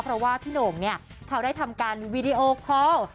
เพราะว่าพี่โหน่งเนี่ยเขาได้ทำการวีดีโอคอล